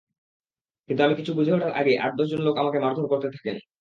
কিন্তু আমি কিছু বুঝে ওঠার আগেই আট-দশজন লোক আমাকে মারধর করতে থাকেন।